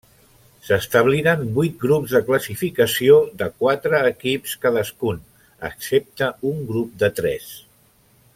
S'establiren vuit grups de classificació de quatre equips cadascun, excepte un grup de tres.